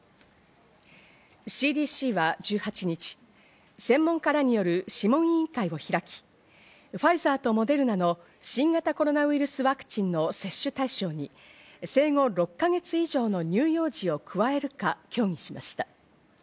ＣＤＣは１８日、専門家らによる諮問委員会を開き、ファイザーとモデルナの新型コロナウイルスワクチンの接種対象に生後６ヶ月以上の乳幼児を加えるか協議しました。